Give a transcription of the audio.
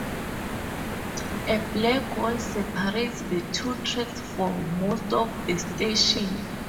A black wall separates the two tracks for most of the station.